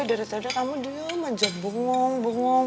iya boy dari tadi kamu diam aja bongong bongong